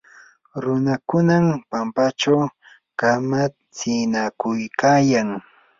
runakunam pampachaw kamatsinakuykayan.